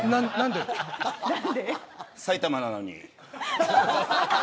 埼玉なのに。